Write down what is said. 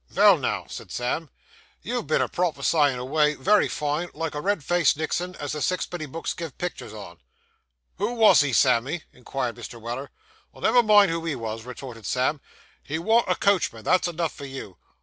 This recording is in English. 'Vell now,' said Sam, 'you've been a prophecyin' away, wery fine, like a red faced Nixon, as the sixpenny books gives picters on.' 'Who wos he, Sammy?' inquired Mr. Weller. 'Never mind who he was,' retorted Sam; 'he warn't a coachman; that's enough for you.